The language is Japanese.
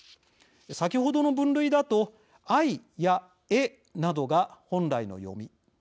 先ほどの分類だと「アイ」や「エ」などが本来の読み。